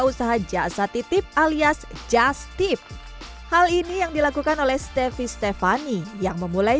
usaha jasa titip alias justip hal ini yang dilakukan oleh stefi stefani yang memulai